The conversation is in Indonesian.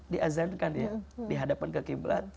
diazankan ya di hadapan ke qibla